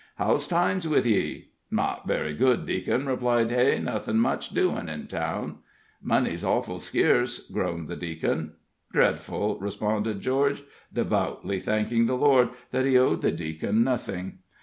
"How's times with ye?" "Not very good, Deac'n," replied Hay. "Nothin' much doin' in town." "Money's awful sceerce," groaned the Deacon. "Dreadful," responded George, devoutly thanking the Lord that he owed the Deacon nothing.